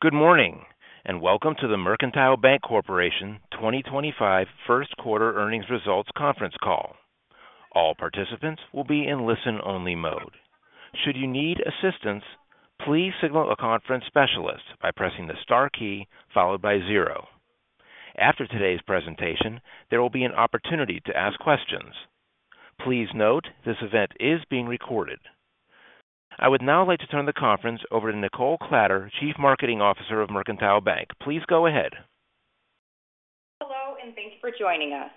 Good morning, and welcome to the Mercantile Bank Corporation 2025 First Quarter Earnings Results Conference Call. All participants will be in listen-only mode. Should you need assistance, please signal a conference specialist by pressing the star key followed by zero. After today's presentation, there will be an opportunity to ask questions. Please note this event is being recorded. I would now like to turn the conference over to Nichole Kladder, Chief Marketing Officer of Mercantile Bank. Please go ahead. Hello, and thank you for joining us.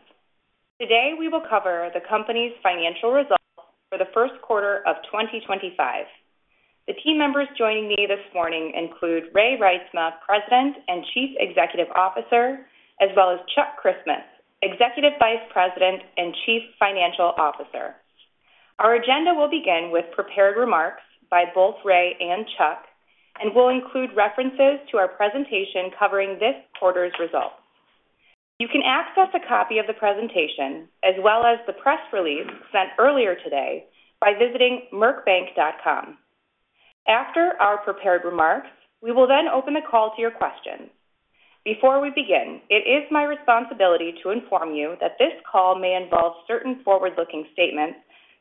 Today, we will cover the company's financial results for the first quarter of 2025. The team members joining me this morning include Raymond (Ray) Reitsma, President and Chief Executive Officer, as well as Charles (Chuck) Christmas, Executive Vice President and Chief Financial Officer. Our agenda will begin with prepared remarks by both Ray and Chuck, and we'll include references to our presentation covering this quarter's results. You can access a copy of the presentation as well as the press release sent earlier today by visiting mercbank.com. After our prepared remarks, we will then open the call to your questions. Before we begin, it is my responsibility to inform you that this call may involve certain forward-looking statements,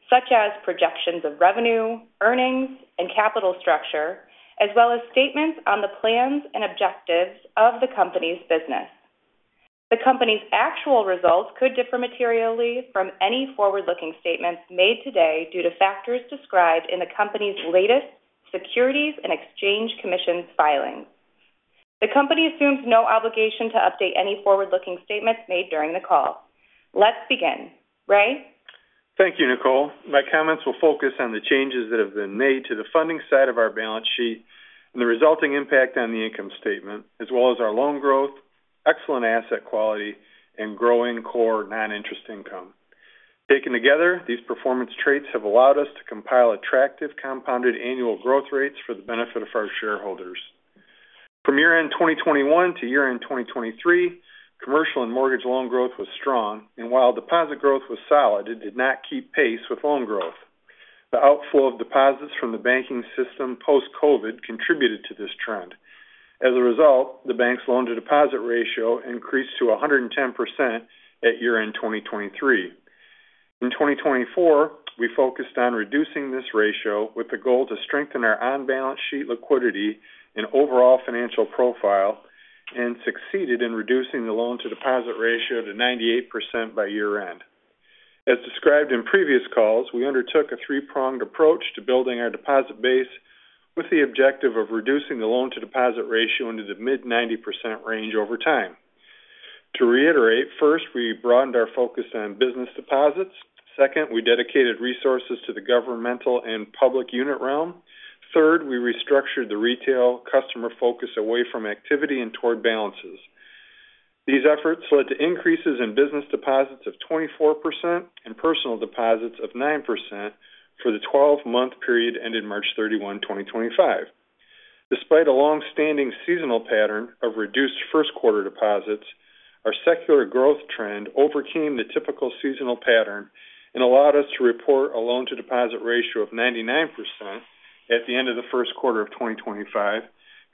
such as projections of revenue, earnings, and capital structure, as well as statements on the plans and objectives of the company's business. The company's actual results could differ materially from any forward-looking statements made today due to factors described in the company's latest Securities and Exchange Commission filings. The company assumes no obligation to update any forward-looking statements made during the call. Let's begin. Ray? Thank you, Nicole. My comments will focus on the changes that have been made to the funding side of our balance sheet and the resulting impact on the income statement, as well as our loan growth, excellent asset quality, and growing core non-interest income. Taken together, these performance traits have allowed us to compile attractive compounded annual growth rates for the benefit of our shareholders. From year-end 2021 to year-end 2023, commercial and mortgage loan growth was strong, and while deposit growth was solid, it did not keep pace with loan growth. The outflow of deposits from the banking system post-COVID contributed to this trend. As a result, the bank's loan-to-deposit ratio increased to 110% at year-end 2023. In 2024, we focused on reducing this ratio with the goal to strengthen our on-balance sheet liquidity and overall financial profile and succeeded in reducing the loan-to-deposit ratio to 98% by year-end. As described in previous calls, we undertook a three-pronged approach to building our deposit base with the objective of reducing the loan-to-deposit ratio into the mid-90% range over time. To reiterate, first, we broadened our focus on business deposits. Second, we dedicated resources to the governmental and public unit realm. Third, we restructured the retail customer focus away from activity and toward balances. These efforts led to increases in business deposits of 24% and personal deposits of 9% for the 12-month period ended March 31, 2025. Despite a long-standing seasonal pattern of reduced first-quarter deposits, our secular growth trend overcame the typical seasonal pattern and allowed us to report a loan-to-deposit ratio of 99% at the end of the first quarter of 2025,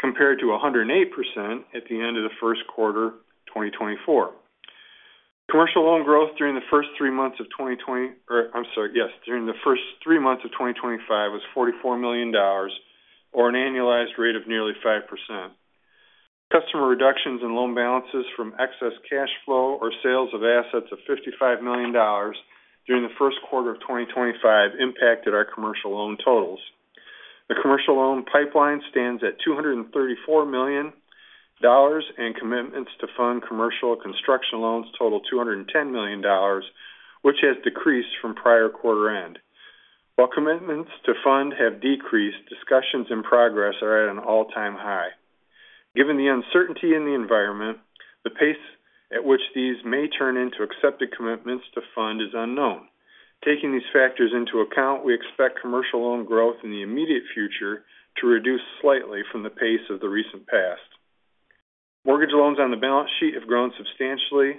compared to 108% at the end of the first quarter 2024. Commercial loan growth during the first three months of 2020, or I'm sorry, yes, during the first three months of 2025 was $44 million, or an annualized rate of nearly 5%. Customer reductions in loan balances from excess cash flow or sales of assets of $55 million during the first quarter of 2025 impacted our commercial loan totals. The commercial loan pipeline stands at $234 million, and commitments to fund commercial construction loans total $210 million, which has decreased from prior quarter-end. While commitments to fund have decreased, discussions in progress are at an all-time high. Given the uncertainty in the environment, the pace at which these may turn into accepted commitments to fund is unknown. Taking these factors into account, we expect commercial loan growth in the immediate future to reduce slightly from the pace of the recent past. Mortgage loans on the balance sheet have grown substantially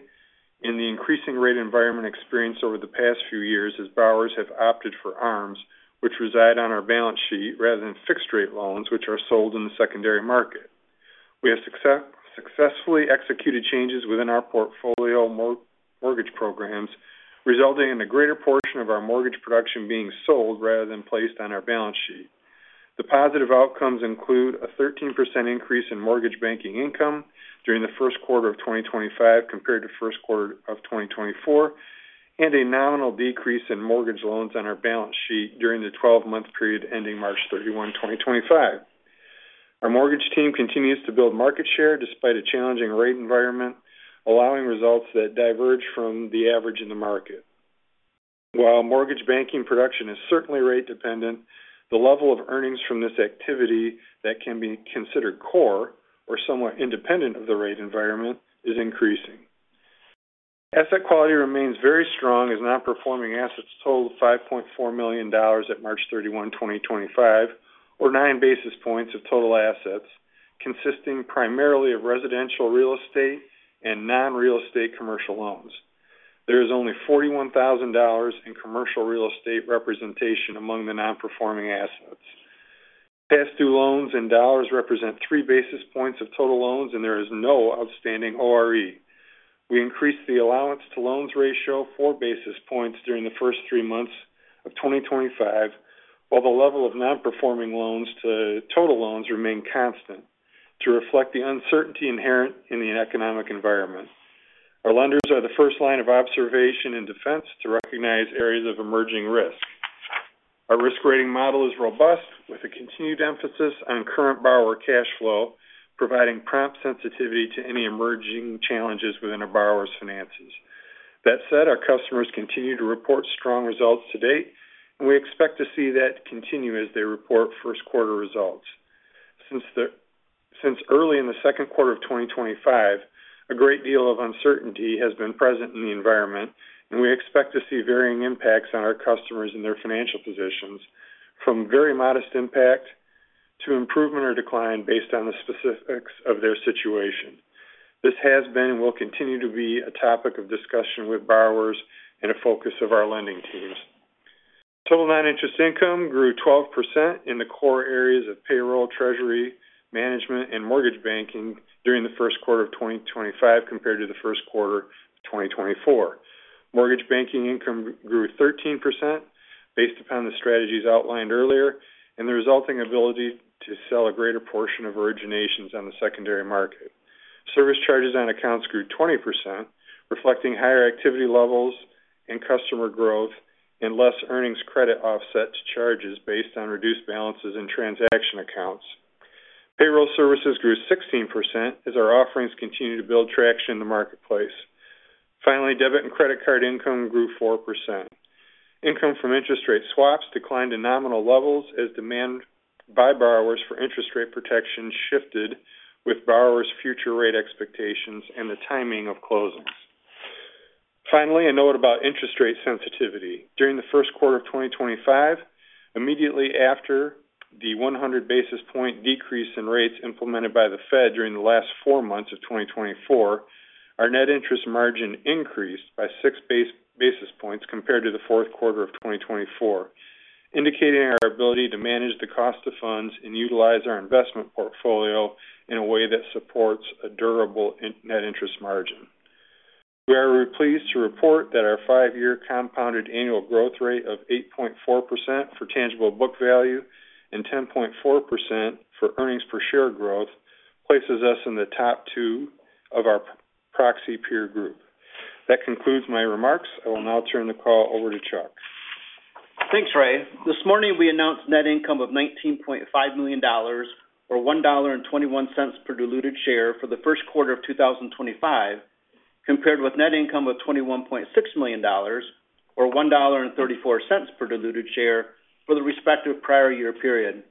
in the increasing rate environment experienced over the past few years as borrowers have opted for ARMs, which reside on our balance sheet rather than fixed-rate loans, which are sold in the secondary market. We have successfully executed changes within our portfolio mortgage programs, resulting in a greater portion of our mortgage production being sold rather than placed on our balance sheet. The positive outcomes include a 13% increase in mortgage banking income during the first quarter of 2025 compared to first quarter of 2024, and a nominal decrease in mortgage loans on our balance sheet during the 12-month period ending March 31, 2025. Our mortgage team continues to build market share despite a challenging rate environment, allowing results that diverge from the average in the market. While mortgage banking production is certainly rate-dependent, the level of earnings from this activity that can be considered core or somewhat independent of the rate environment is increasing. Asset quality remains very strong as non-performing assets totaled $5.4 million at March 31, 2025, or nine basis points of total assets consisting primarily of residential real estate and non-real estate commercial loans. There is only $41,000 in commercial real estate representation among the non-performing assets. Past-due loans in dollars represent three basis points of total loans, and there is no outstanding ORE. We increased the allowance-to-loans ratio four basis points during the first three months of 2025, while the level of non-performing loans to total loans remained constant to reflect the uncertainty inherent in the economic environment. Our lenders are the first line of observation and defense to recognize areas of emerging risk. Our risk-rating model is robust, with a continued emphasis on current borrower cash flow, providing prompt sensitivity to any emerging challenges within a borrower's finances. That said, our customers continue to report strong results to date, and we expect to see that continue as they report first-quarter results. Since early in the second quarter of 2025, a great deal of uncertainty has been present in the environment, and we expect to see varying impacts on our customers and their financial positions, from very modest impact to improvement or decline based on the specifics of their situation. This has been and will continue to be a topic of discussion with borrowers and a focus of our lending teams. Total non-interest income grew 12% in the core areas of payroll, treasury management, and mortgage banking during the first quarter of 2025 compared to the first quarter of 2024. Mortgage banking income grew 13% based upon the strategies outlined earlier and the resulting ability to sell a greater portion of originations on the secondary market. Service charges on accounts grew 20%, reflecting higher activity levels and customer growth and less earnings credit offset to charges based on reduced balances in transaction accounts. Payroll services grew 16% as our offerings continue to build traction in the marketplace. Finally, debit and credit card income grew 4%. Income from interest rate swaps declined to nominal levels as demand by borrowers for interest rate protection shifted with borrowers' future rate expectations and the timing of closings. Finally, a note about interest rate sensitivity. During the first quarter of 2025, immediately after the 100 basis point decrease in rates implemented by the Fed during the last four months of 2024, our net interest margin increased by six basis points compared to the fourth quarter of 2024, indicating our ability to manage the cost of funds and utilize our investment portfolio in a way that supports a durable net interest margin. We are pleased to report that our five-year compounded annual growth rate of 8.4% for tangible book value and 10.4% for earnings per share growth places us in the top two of our proxy peer group. That concludes my remarks. I will now turn the call over to Chuck. Thanks, Ray. This morning, we announced net income of $19.5 million, or $1.21 per diluted share for the first quarter of 2025, compared with net income of $21.6 million, or $1.34 per diluted share for the respective prior year period.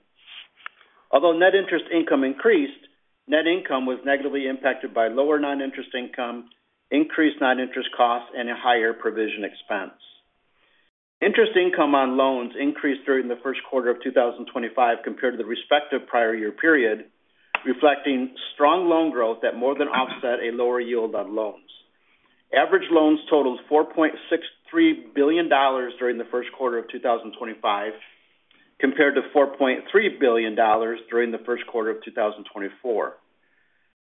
Although net interest income increased, net income was negatively impacted by lower non-interest income, increased non-interest costs, and a higher provision expense. Interest income on loans increased during the first quarter of 2025 compared to the respective prior year period, reflecting strong loan growth that more than offset a lower yield on loans. Average loans totaled $4.63 billion during the first quarter of 2025 compared to $4.3 billion during the first quarter of 2024.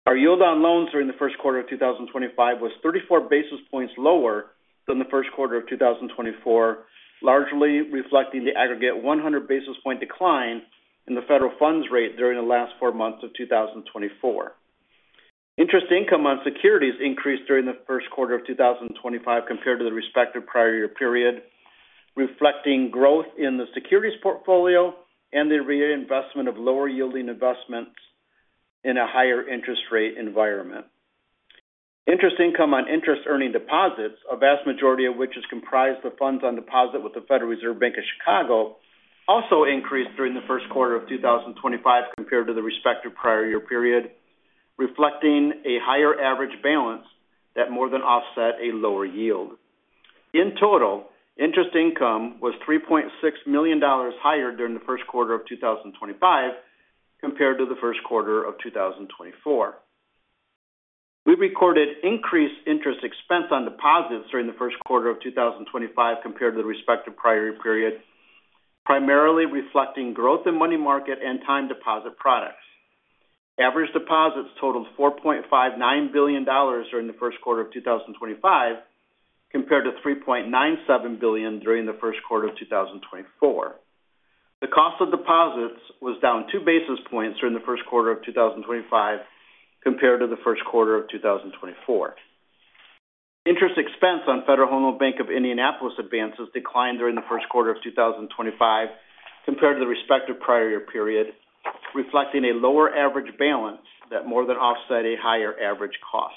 Our yield on loans during the first quarter of 2025 was 34 basis points lower than the first quarter of 2024, largely reflecting the aggregate 100 basis point decline in the federal funds rate during the last four months of 2024. Interest income on securities increased during the first quarter of 2025 compared to the respective prior year period, reflecting growth in the securities portfolio and the reinvestment of lower-yielding investments in a higher interest rate environment. Interest income on interest-earning deposits, a vast majority of which is comprised of funds on deposit with the Federal Reserve Bank of Chicago, also increased during the first quarter of 2025 compared to the respective prior year period, reflecting a higher average balance that more than offset a lower yield. In total, interest income was $3.6 million higher during the first quarter of 2025 compared to the first quarter of 2024. We recorded increased interest expense on deposits during the first quarter of 2025 compared to the respective prior year period, primarily reflecting growth in money market and time deposit products. Average deposits totaled $4.59 billion during the first quarter of 2025 compared to $3.97 billion during the first quarter of 2024. The cost of deposits was down two basis points during the first quarter of 2025 compared to the first quarter of 2024. Interest expense on Federal Home Loan Bank of Indianapolis advances declined during the first quarter of 2025 compared to the respective prior year period, reflecting a lower average balance that more than offset a higher average cost.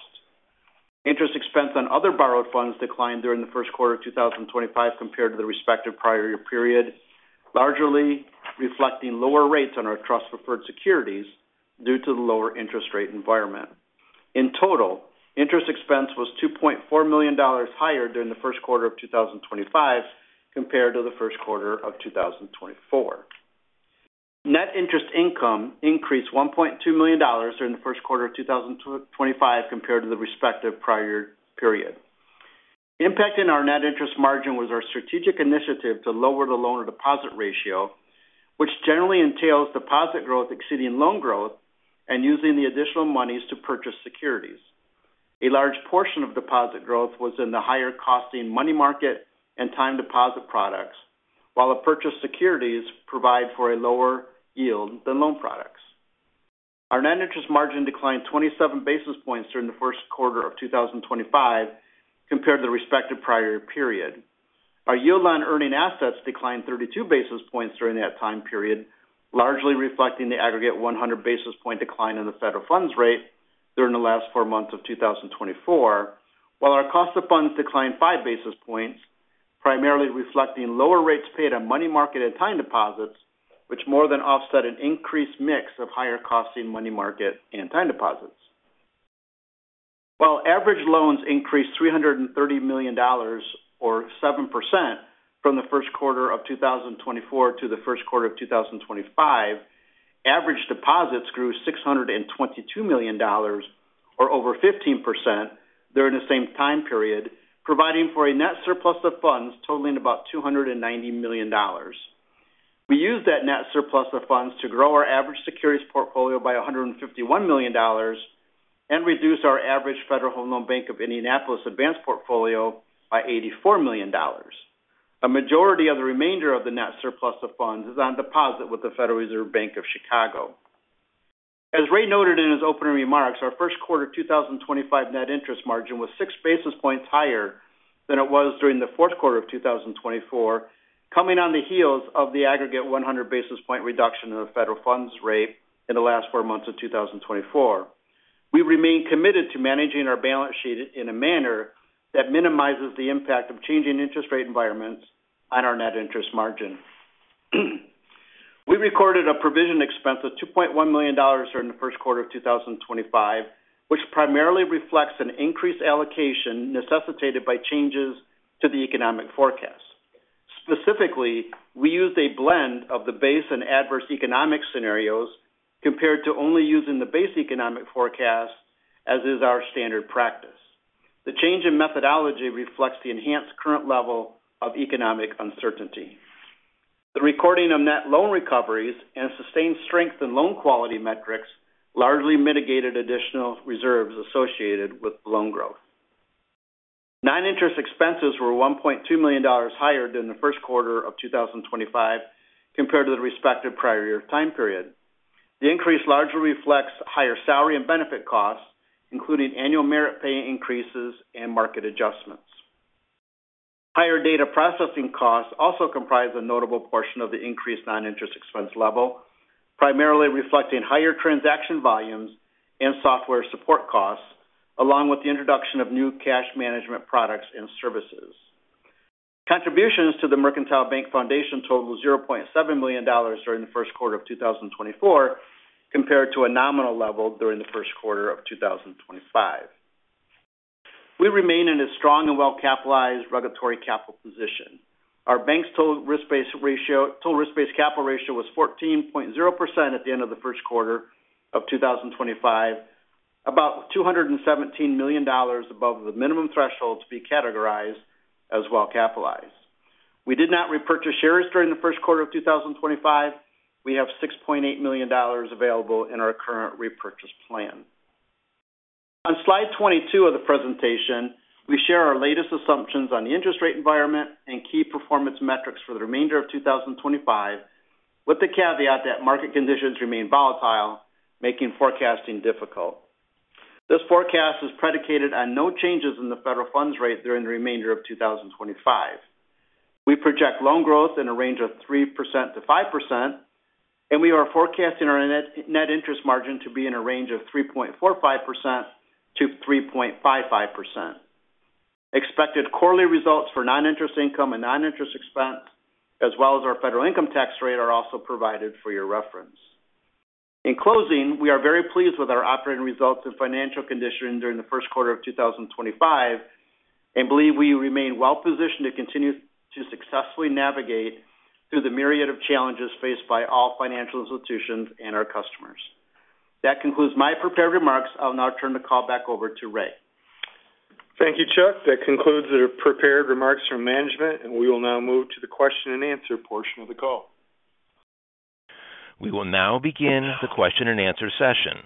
Interest expense on other borrowed funds declined during the first quarter of 2025 compared to the respective prior year period, largely reflecting lower rates on our trust-preferred securities due to the lower interest rate environment. In total, interest expense was $2.4 million higher during the first quarter of 2025 compared to the first quarter of 2024. Net interest income increased $1.2 million during the first quarter of 2025 compared to the respective prior year period. Impacting our net interest margin was our strategic initiative to lower the loan-to-deposit ratio, which generally entails deposit growth exceeding loan growth and using the additional monies to purchase securities. A large portion of deposit growth was in the higher-costing money market and time deposit products, while purchase securities provide for a lower yield than loan products. Our net interest margin declined 27 basis points during the first quarter of 2025 compared to the respective prior year period. Our yield on earning assets declined 32 basis points during that time period, largely reflecting the aggregate 100 basis point decline in the federal funds rate during the last four months of 2024, while our cost of funds declined five basis points, primarily reflecting lower rates paid on money market and time deposits, which more than offset an increased mix of higher-costing money market and time deposits. While average loans increased $330 million, or 7%, from the first quarter of 2024 to the first quarter of 2025, average deposits grew $622 million, or over 15%, during the same time period, providing for a net surplus of funds totaling about $290 million. We used that net surplus of funds to grow our average securities portfolio by $151 million and reduce our average Federal Home Loan Bank of Indianapolis advance portfolio by $84 million. A majority of the remainder of the net surplus of funds is on deposit with the Federal Reserve Bank of Chicago. As Ray noted in his opening remarks, our first quarter of 2025 net interest margin was six basis points higher than it was during the fourth quarter of 2024, coming on the heels of the aggregate 100 basis point reduction in the federal funds rate in the last four months of 2024. We remain committed to managing our balance sheet in a manner that minimizes the impact of changing interest rate environments on our net interest margin. We recorded a provision expense of $2.1 million during the first quarter of 2025, which primarily reflects an increased allocation necessitated by changes to the economic forecast. Specifically, we used a blend of the base and adverse economic scenarios compared to only using the base economic forecast, as is our standard practice. The change in methodology reflects the enhanced current level of economic uncertainty. The recording of net loan recoveries and sustained strength in loan quality metrics largely mitigated additional reserves associated with loan growth. Non-interest expenses were $1.2 million higher during the first quarter of 2025 compared to the respective prior year time period. The increase largely reflects higher salary and benefit costs, including annual merit pay increases and market adjustments. Higher data processing costs also comprise a notable portion of the increased non-interest expense level, primarily reflecting higher transaction volumes and software support costs, along with the introduction of new cash management products and services. Contributions to the Mercantile Bank Foundation totaled $0.7 million during the first quarter of 2024 compared to a nominal level during the first quarter of 2025. We remain in a strong and well-capitalized regulatory capital position. Our bank's total risk-based capital ratio was 14.0% at the end of the first quarter of 2025, about $217 million above the minimum threshold to be categorized as well-capitalized. We did not repurchase shares during the first quarter of 2025. We have $6.8 million available in our current repurchase plan. On slide 22 of the presentation, we share our latest assumptions on the interest rate environment and key performance metrics for the remainder of 2025, with the caveat that market conditions remain volatile, making forecasting difficult. This forecast is predicated on no changes in the federal funds rate during the remainder of 2025. We project loan growth in a range of 3%-5%, and we are forecasting our net interest margin to be in a range of 3.45%-3.55%. Expected quarterly results for non-interest income and non-interest expense, as well as our federal income tax rate, are also provided for your reference. In closing, we are very pleased with our operating results and financial condition during the first quarter of 2025 and believe we remain well-positioned to continue to successfully navigate through the myriad of challenges faced by all financial institutions and our customers. That concludes my prepared remarks. I'll now turn the call back over to Ray. Thank you, Chuck. That concludes the prepared remarks from management, and we will now move to the question-and-answer portion of the call. We will now begin the question-and-answer session.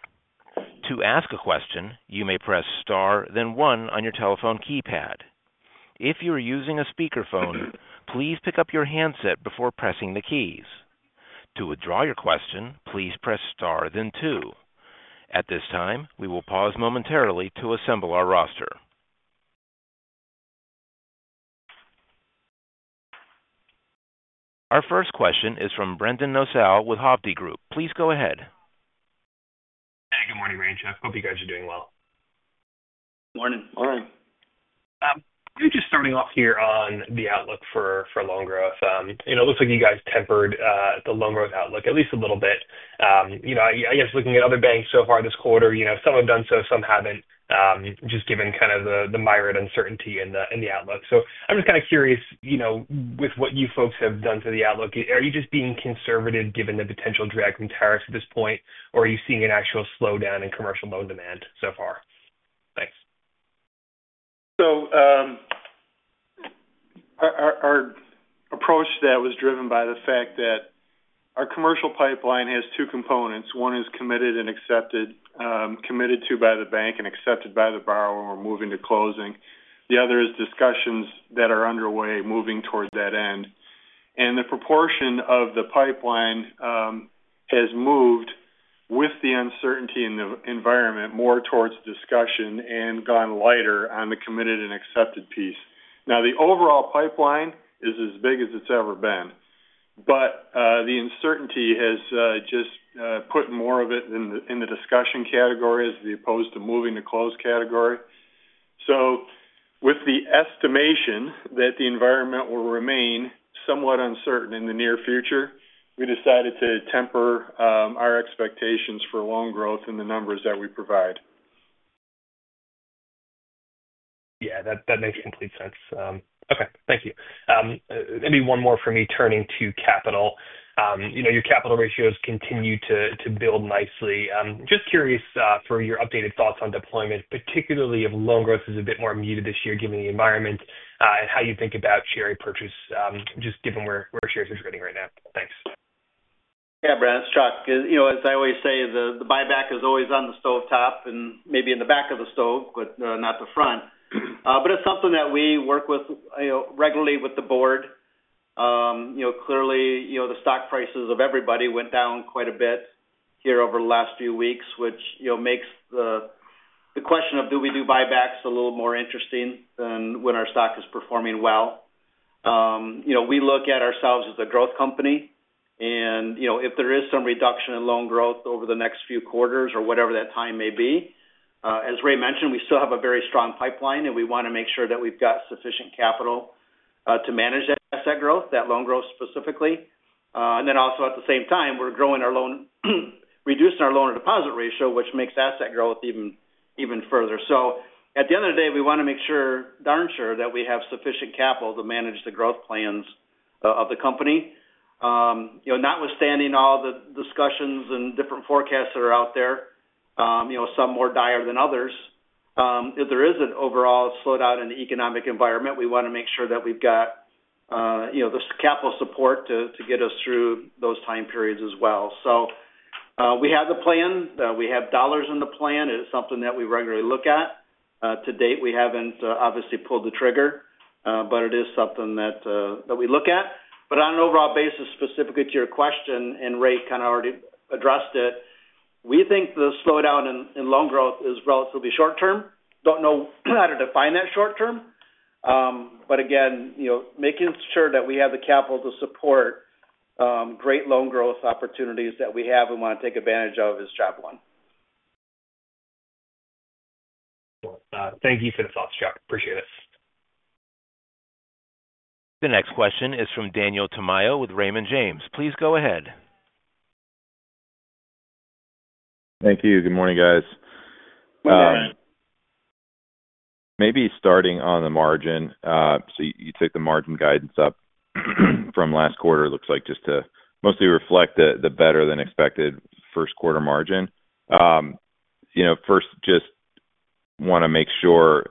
To ask a question, you may press star, then one on your telephone keypad. If you are using a speakerphone, please pick up your handset before pressing the keys. To withdraw your question, please press star, then two. At this time, we will pause momentarily to assemble our roster. Our first question is from Brendan Nosal with Hovde Group. Please go ahead. Hey, good morning, Ray and Chuck. Hope you guys are doing well. Good morning. Morning. You're just starting off here on the outlook for loan growth. It looks like you guys tempered the loan growth outlook at least a little bit. I guess looking at other banks so far this quarter, some have done so, some haven't, just given kind of the myriad uncertainty in the outlook. I'm just kind of curious, with what you folks have done to the outlook, are you just being conservative given the potential drag from tariffs at this point, or are you seeing an actual slowdown in commercial loan demand so far? Thanks. Our approach was driven by the fact that our commercial pipeline has two components. One is committed and accepted, committed to by the bank and accepted by the borrower when we're moving to closing. The other is discussions that are underway moving towards that end. The proportion of the pipeline has moved with the uncertainty in the environment more towards discussion and gone lighter on the committed and accepted piece. Now, the overall pipeline is as big as it's ever been, but the uncertainty has just put more of it in the discussion category as opposed to moving to close category. With the estimation that the environment will remain somewhat uncertain in the near future, we decided to temper our expectations for loan growth in the numbers that we provide. Yeah, that makes complete sense. Okay, thank you. Maybe one more from me turning to capital. Your capital ratios continue to build nicely. Just curious for your updated thoughts on deployment, particularly if loan growth is a bit more muted this year given the environment and how you think about share purchase, just given where shares are trading right now. Thanks. Yeah, Brad, it's Chuck. As I always say, the buyback is always on the stove top and maybe in the back of the stove, but not the front. It is something that we work with regularly with the board. Clearly, the stock prices of everybody went down quite a bit here over the last few weeks, which makes the question of do we do buybacks a little more interesting than when our stock is performing well. We look at ourselves as a growth company, and if there is some reduction in loan growth over the next few quarters or whatever that time may be, as Ray mentioned, we still have a very strong pipeline, and we want to make sure that we've got sufficient capital to manage that asset growth, that loan growth specifically. At the same time, we're reducing our loan-to-deposit ratio, which makes asset growth even further. At the end of the day, we want to make sure, darn sure, that we have sufficient capital to manage the growth plans of the company. Notwithstanding all the discussions and different forecasts that are out there, some more dire than others, if there is an overall slowdown in the economic environment, we want to make sure that we've got the capital support to get us through those time periods as well. We have the plan. We have dollars in the plan. It is something that we regularly look at. To date, we haven't obviously pulled the trigger, but it is something that we look at. On an overall basis, specifically to your question, and Ray kind of already addressed it, we think the slowdown in loan growth is relatively short-term. Do not know how to define that short-term, but again, making sure that we have the capital to support great loan growth opportunities that we have and want to take advantage of is job one. Thank you for the thoughts, Chuck. Appreciate it. The next question is from Daniel Tamayo with Raymond James. Please go ahead. Thank you. Good morning, guys. Morning, Ray. Maybe starting on the margin. You took the margin guidance up from last quarter, looks like just to mostly reflect the better-than-expected first-quarter margin. First, just want to make sure,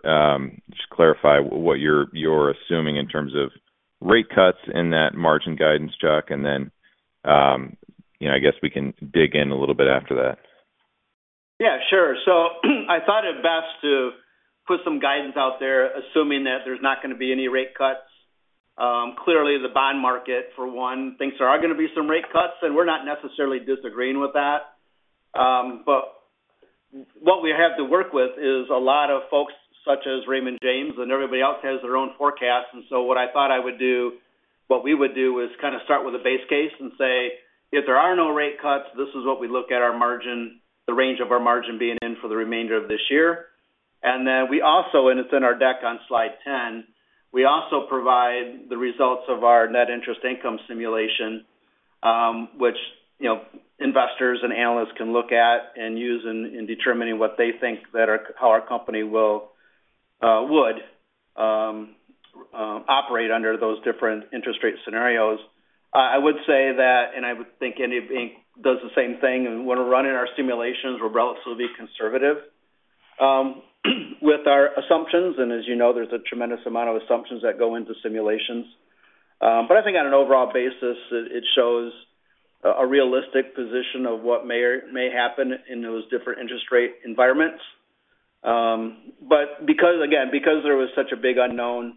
just clarify what you're assuming in terms of rate cuts in that margin guidance, Chuck, and then I guess we can dig in a little bit after that. Yeah, sure. I thought it best to put some guidance out there, assuming that there's not going to be any rate cuts. Clearly, the bond market, for one, thinks there are going to be some rate cuts, and we're not necessarily disagreeing with that. What we have to work with is a lot of folks, such as Raymond James, and everybody else has their own forecasts. I thought I would do, what we would do, is kind of start with a base case and say, if there are no rate cuts, this is what we look at our margin, the range of our margin being in for the remainder of this year. We also, and it is in our deck on slide 10, provide the results of our net interest income simulation, which investors and analysts can look at and use in determining what they think that our company would operate under those different interest rate scenarios. I would say that, and I would think any bank does the same thing, and when we are running our simulations, we are relatively conservative with our assumptions. As you know, there is a tremendous amount of assumptions that go into simulations. I think on an overall basis, it shows a realistic position of what may happen in those different interest rate environments. Again, because there was such a big unknown,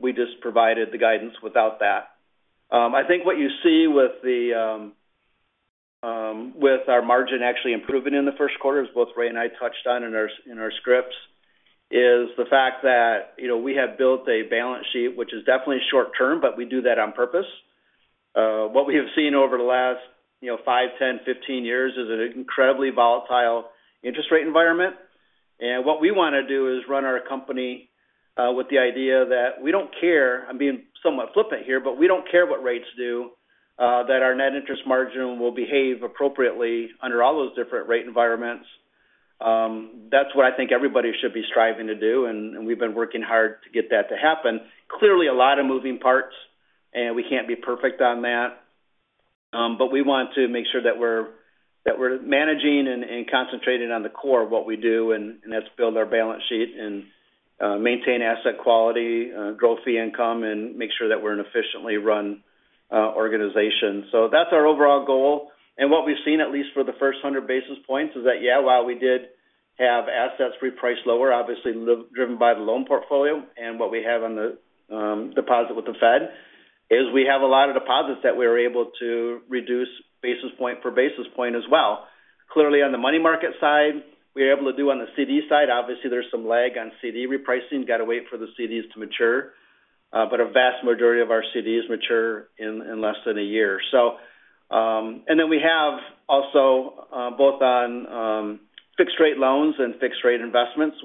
we just provided the guidance without that. I think what you see with our margin actually improving in the first quarter, as both Ray and I touched on in our scripts, is the fact that we have built a balance sheet, which is definitely short-term, but we do that on purpose. What we have seen over the last 5, 10, 15 years is an incredibly volatile interest rate environment. What we want to do is run our company with the idea that we do not care—I am being somewhat flippant here—but we do not care what rates do, that our net interest margin will behave appropriately under all those different rate environments. That is what I think everybody should be striving to do, and we have been working hard to get that to happen. Clearly, a lot of moving parts, and we cannot be perfect on that. We want to make sure that we're managing and concentrating on the core of what we do, and that's build our balance sheet and maintain asset quality, growth fee income, and make sure that we're an efficiently run organization. That is our overall goal. What we've seen, at least for the first 100 basis points, is that, yeah, while we did have assets repriced lower, obviously driven by the loan portfolio and what we have on the deposit with the Fed, is we have a lot of deposits that we were able to reduce basis point for basis point as well. Clearly, on the money market side, we were able to do on the CD side. Obviously, there's some lag on CD repricing. Got to wait for the CDs to mature. A vast majority of our CDs mature in less than a year. We have also, both on fixed-rate loans and fixed-rate investments,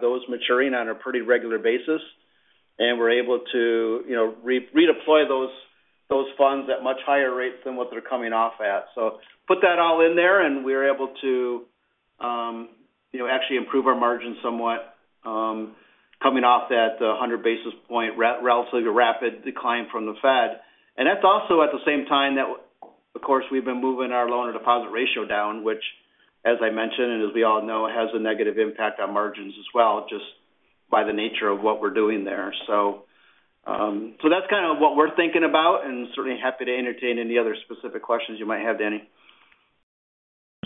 those maturing on a pretty regular basis, and we are able to redeploy those funds at much higher rates than what they are coming off at. Put that all in there, and we were able to actually improve our margin somewhat coming off that 100 basis point relatively rapid decline from the Fed. That is also at the same time that, of course, we have been moving our loan-to-deposit ratio down, which, as I mentioned, and as we all know, has a negative impact on margins as well just by the nature of what we are doing there. That is kind of what we are thinking about, and certainly happy to entertain any other specific questions you might have, Danny.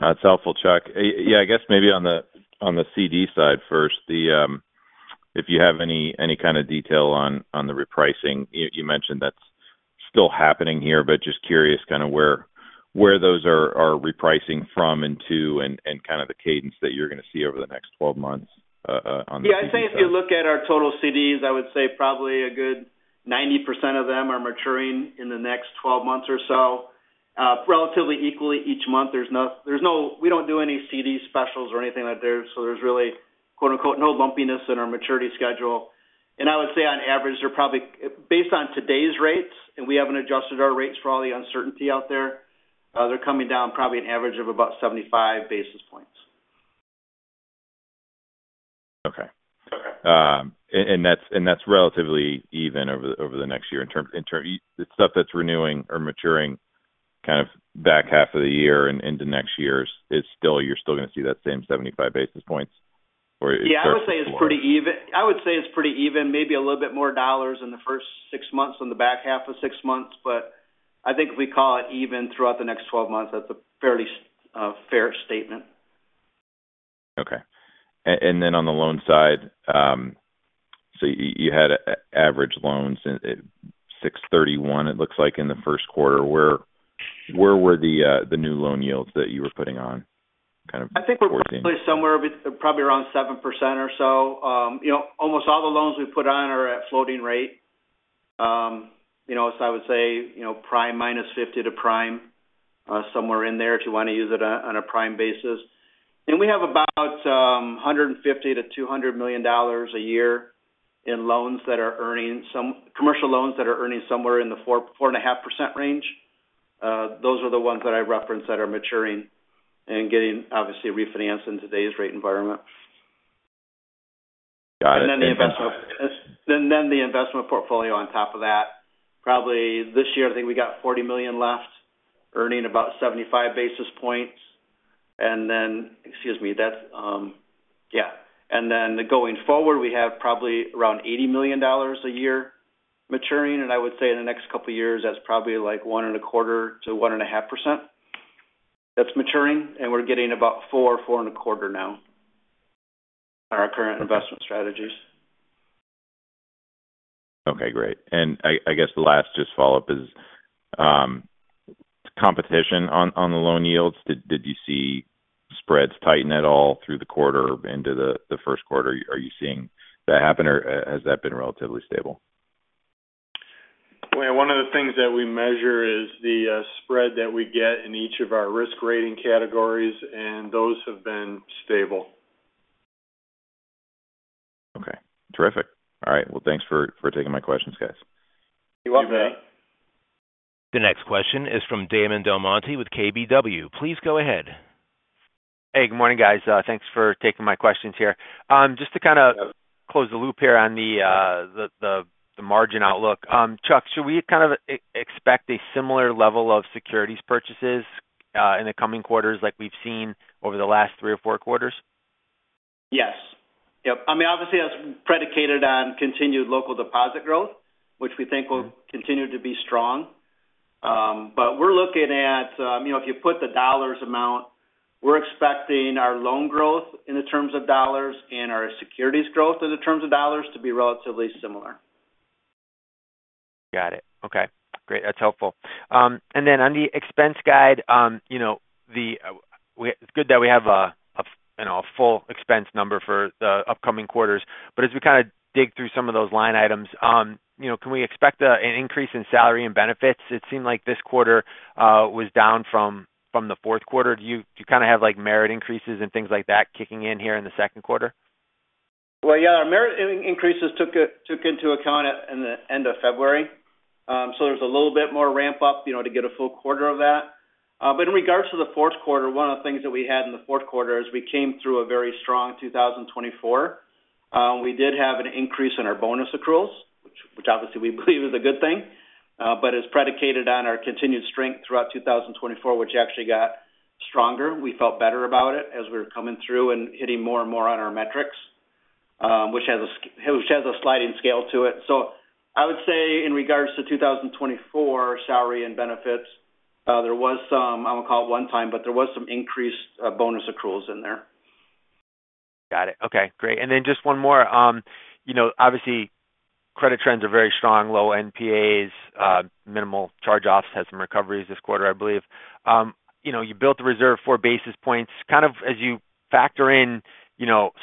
That's helpful, Chuck. Yeah, I guess maybe on the CD side first, if you have any kind of detail on the repricing, you mentioned that's still happening here, but just curious kind of where those are repricing from and to and kind of the cadence that you're going to see over the next 12 months on the CD. Yeah, I'd say if you look at our total CDs, I would say probably a good 90% of them are maturing in the next 12 months or so, relatively equally each month. We do not do any CD specials or anything like that, so there's really no lumpiness in our maturity schedule. I would say on average, they're probably based on today's rates, and we have not adjusted our rates for all the uncertainty out there. They're coming down probably an average of about 75 basis points. Okay. That is relatively even over the next year in terms of the stuff that is renewing or maturing, kind of back half of the year and into next year, you are still going to see that same 75 basis points? Yeah, I would say it's pretty even. I would say it's pretty even, maybe a little bit more dollars in the first six months than the back half of six months. I think if we call it even throughout the next 12 months, that's a fairly fair statement. Okay. And then on the loan side, you had average loans at $631 million, it looks like, in the first quarter. Where were the new loan yields that you were putting on kind of forwarding? I think we're basically somewhere probably around 7% or so. Almost all the loans we put on are at floating rate. I would say prime minus 50 to prime, somewhere in there if you want to use it on a prime basis. We have about $150 million-$200 million a year in loans that are earning some commercial loans that are earning somewhere in the 4.5% range. Those are the ones that I referenced that are maturing and getting obviously refinanced in today's rate environment. Got it. The investment portfolio on top of that. Probably this year, I think we got $40 million left earning about 75 basis points. Excuse me, that's, yeah. Going forward, we have probably around $80 million a year maturing. I would say in the next couple of years, that's probably like 1.25-1.5% that's maturing. We're getting about 4-4.25% now on our current investment strategies. Okay, great. I guess the last just follow-up is competition on the loan yields. Did you see spreads tighten at all through the quarter into the first quarter? Are you seeing that happen, or has that been relatively stable? One of the things that we measure is the spread that we get in each of our risk rating categories, and those have been stable. Okay. Terrific. All right. Thanks for taking my questions, guys. You're welcome, Daniel. The next question is from Damon DelMonte with KBW. Please go ahead. Hey, good morning, guys. Thanks for taking my questions here. Just to kind of close the loop here on the margin outlook, Chuck, should we kind of expect a similar level of securities purchases in the coming quarters like we've seen over the last three or four quarters? Yes. Yep. I mean, obviously, that's predicated on continued local deposit growth, which we think will continue to be strong. We are looking at, if you put the dollars amount, we are expecting our loan growth in the terms of dollars and our securities growth in the terms of dollars to be relatively similar. Got it. Okay. Great. That's helpful. On the expense guide, it's good that we have a full expense number for the upcoming quarters. As we kind of dig through some of those line items, can we expect an increase in salary and benefits? It seemed like this quarter was down from the fourth quarter. Do you kind of have merit increases and things like that kicking in here in the second quarter? Our merit increases took into account at the end of February. There is a little bit more ramp-up to get a full quarter of that. In regards to the fourth quarter, one of the things that we had in the fourth quarter is we came through a very strong 2024. We did have an increase in our bonus accruals, which obviously we believe is a good thing, but it is predicated on our continued strength throughout 2024, which actually got stronger. We felt better about it as we were coming through and hitting more and more on our metrics, which has a sliding scale to it. I would say in regards to 2024, salary and benefits, there was some—I will not call it one time—but there was some increased bonus accruals in there. Got it. Okay. Great. And then just one more. Obviously, credit trends are very strong, low NPAs, minimal charge-offs, had some recoveries this quarter, I believe. You built the reserve four basis points. Kind of as you factor in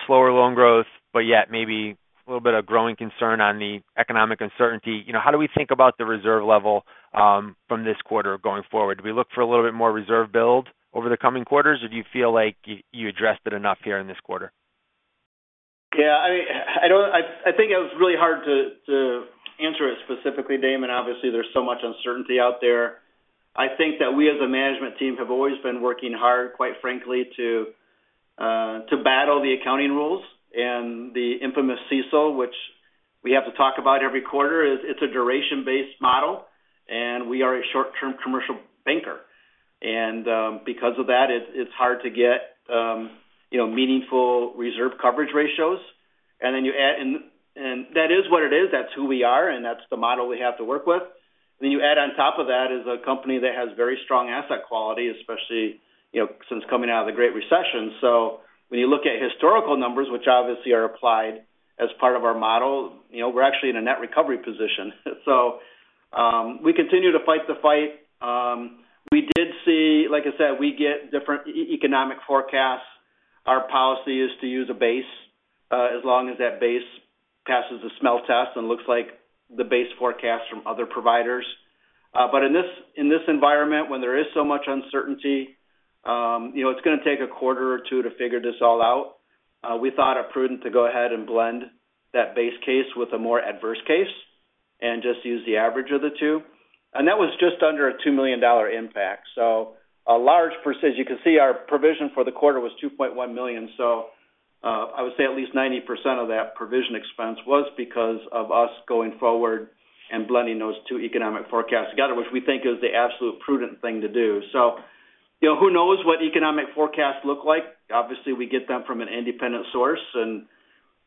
slower loan growth, but yet maybe a little bit of growing concern on the economic uncertainty, how do we think about the reserve level from this quarter going forward? Do we look for a little bit more reserve build over the coming quarters, or do you feel like you addressed it enough here in this quarter? Yeah. I mean, I think it is really hard to answer it specifically, Damon. Obviously, there is so much uncertainty out there. I think that we as a management team have always been working hard, quite frankly, to battle the accounting rules and the infamous CECL, which we have to talk about every quarter. It is a duration-based model, and we are a short-term commercial banker. Because of that, it is hard to get meaningful reserve coverage ratios. That is what it is. That is who we are, and that is the model we have to work with. You add on top of that a company that has very strong asset quality, especially since coming out of the Great Recession. When you look at historical numbers, which obviously are applied as part of our model, we are actually in a net recovery position. We continue to fight the fight. We did see, like I said, we get different economic forecasts. Our policy is to use a base as long as that base passes the smell test and looks like the base forecast from other providers. In this environment, when there is so much uncertainty, it's going to take a quarter or two to figure this all out. We thought it prudent to go ahead and blend that base case with a more adverse case and just use the average of the two. That was just under a $2 million impact. A large percentage—you can see our provision for the quarter was $2.1 million. I would say at least 90% of that provision expense was because of us going forward and blending those two economic forecasts together, which we think is the absolute prudent thing to do. Who knows what economic forecasts look like? Obviously, we get them from an independent source, and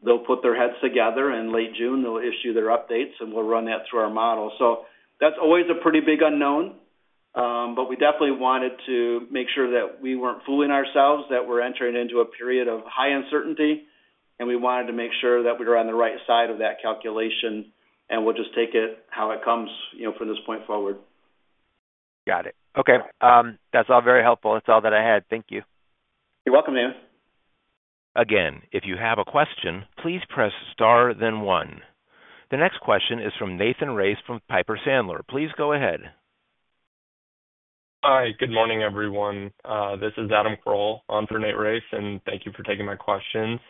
they'll put their heads together. In late June, they'll issue their updates, and we'll run that through our model. That is always a pretty big unknown. We definitely wanted to make sure that we were not fooling ourselves, that we are entering into a period of high uncertainty, and we wanted to make sure that we were on the right side of that calculation. We will just take it how it comes from this point forward. Got it. Okay. That's all very helpful. That's all that I had. Thank you. You're welcome, Damon. Again, if you have a question, please press star, then one. The next question is from Nathan Race from Piper Sandler. Please go ahead. Hi. Good morning, everyone. This is Adam Kroll on for Nate Race, and thank you for taking my questions.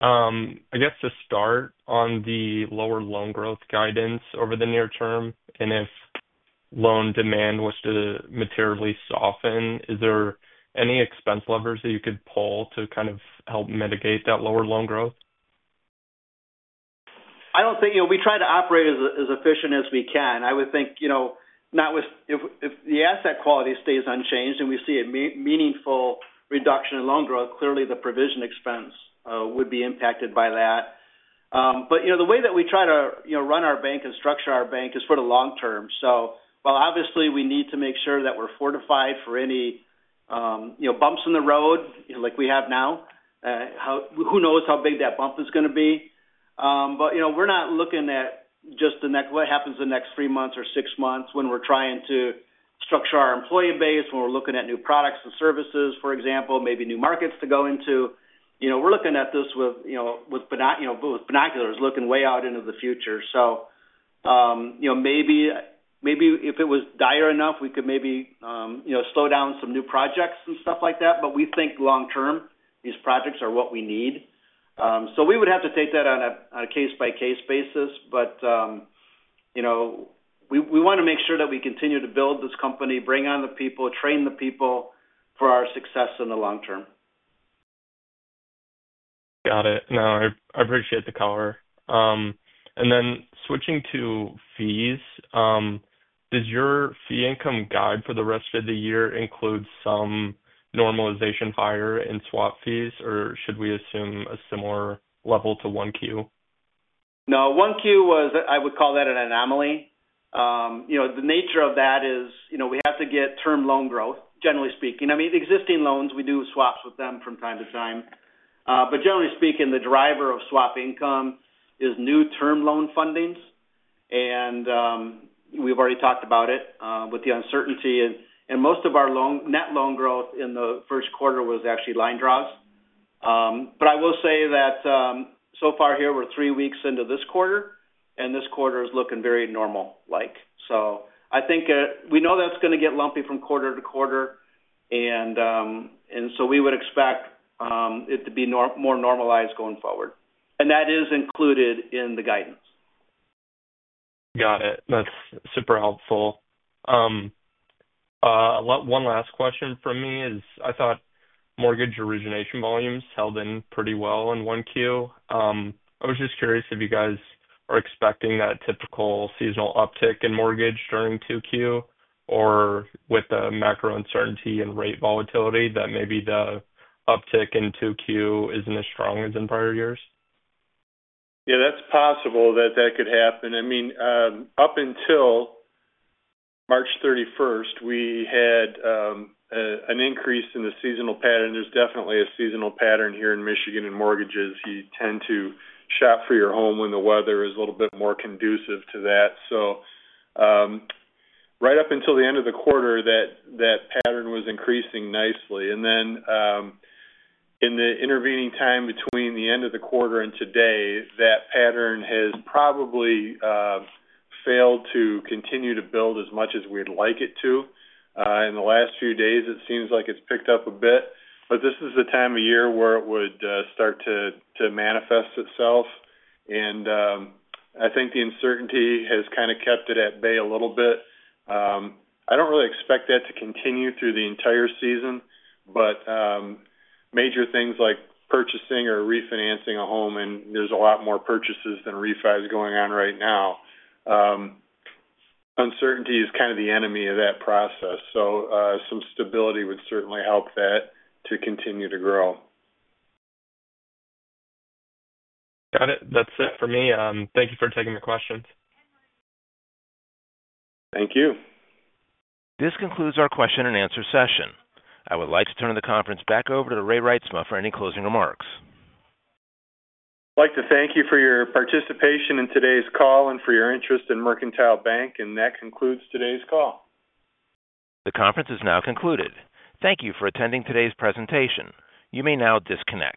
I guess to start on the lower loan growth guidance over the near term, and if loan demand was to materially soften, is there any expense levers that you could pull to kind of help mitigate that lower loan growth? I don't think we try to operate as efficient as we can. I would think if the asset quality stays unchanged and we see a meaningful reduction in loan growth, clearly the provision expense would be impacted by that. The way that we try to run our bank and structure our bank is for the long term. While obviously we need to make sure that we're fortified for any bumps in the road like we have now, who knows how big that bump is going to be? We're not looking at just what happens the next three months or six months when we're trying to structure our employee base, when we're looking at new products and services, for example, maybe new markets to go into. We're looking at this with binoculars, looking way out into the future. If it was dire enough, we could maybe slow down some new projects and stuff like that. We think long term, these projects are what we need. We would have to take that on a case-by-case basis. We want to make sure that we continue to build this company, bring on the people, train the people for our success in the long term. Got it. No, I appreciate the color. Switching to fees, does your fee income guide for the rest of the year include some normalization higher in swap fees, or should we assume a similar level to 1Q? No, 1Q was—I would call that an anomaly. The nature of that is we have to get term loan growth, generally speaking. I mean, existing loans, we do swaps with them from time to time. Generally speaking, the driver of swap income is new term loan fundings. We have already talked about it with the uncertainty. Most of our net loan growth in the first quarter was actually line draws. I will say that so far here, we are three weeks into this quarter, and this quarter is looking very normal-like. I think we know that is going to get lumpy from quarter to quarter. We would expect it to be more normalized going forward. That is included in the guidance. Got it. That's super helpful. One last question for me is I thought mortgage origination volumes held in pretty well in 1Q. I was just curious if you guys are expecting that typical seasonal uptick in mortgage during 2Q or with the macro uncertainty and rate volatility that maybe the uptick in 2Q isn't as strong as in prior years? Yeah, that's possible that that could happen. I mean, up until March 31, we had an increase in the seasonal pattern. There's definitely a seasonal pattern here in Michigan in mortgages. You tend to shop for your home when the weather is a little bit more conducive to that. Right up until the end of the quarter, that pattern was increasing nicely. In the intervening time between the end of the quarter and today, that pattern has probably failed to continue to build as much as we'd like it to. In the last few days, it seems like it's picked up a bit. This is the time of year where it would start to manifest itself. I think the uncertainty has kind of kept it at bay a little bit. I don't really expect that to continue through the entire season, but major things like purchasing or refinancing a home—and there's a lot more purchases than refis going on right now—uncertainty is kind of the enemy of that process. Some stability would certainly help that to continue to grow. Got it. That's it for me. Thank you for taking my questions. Thank you. This concludes our question and answer session. I would like to turn the conference back over to Ray Reitsma for any closing remarks. I'd like to thank you for your participation in today's call and for your interest in Mercantile Bank. That concludes today's call. The conference is now concluded. Thank you for attending today's presentation. You may now disconnect.